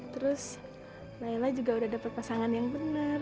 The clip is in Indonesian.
terus layla juga udah dapet pasangan yang benar